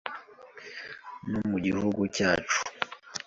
No mu gihugu cyacu